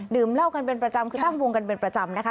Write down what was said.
เหล้ากันเป็นประจำคือตั้งวงกันเป็นประจำนะคะ